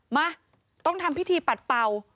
มาต้องทำพิธีปัดเป่า